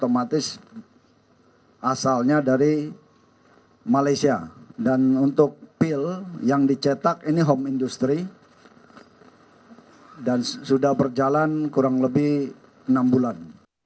malaysia dan untuk pil yang dicetak ini homo industri dan sudah berjalan kurang lebih enam bulan